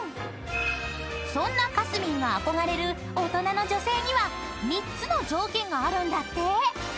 ［そんなかすみんが憧れる大人の女性には３つの条件があるんだって］